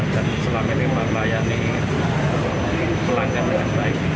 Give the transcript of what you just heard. dan selama ini melayani pelanggan dengan baik